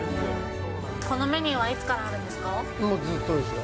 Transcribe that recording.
このメニューはいつからあるもうずっとですよ。